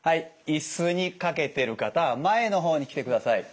いすに掛けてる方は前のほうに来てください。